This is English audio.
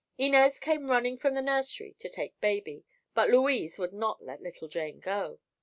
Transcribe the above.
Inez came running from the nursery to take baby, but Louise would not let little Jane go.